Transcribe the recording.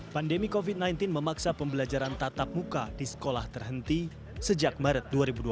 pandemi covid sembilan belas memaksa pembelajaran tatap muka di sekolah terhenti sejak maret dua ribu dua puluh